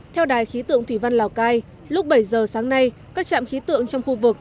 theo đài khí tượng thủy văn lào cai lúc bảy giờ sáng nay các trạm khí tượng trong khu vực